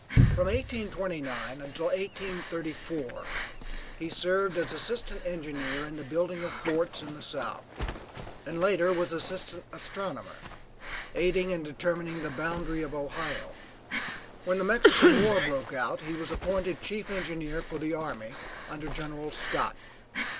From 1829 until 1834, he served as assistant engineer in the building of forts in the South, and later was assistant astronomer; aiding in determining the boundary of Ohio. When the Mexican war broke out he was appointed chief engineer for the army under General Scott.